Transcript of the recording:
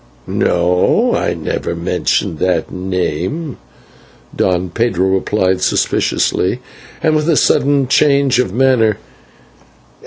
No, I never mentioned that name," Don Pedro replied suspiciously, and with a sudden change of manner.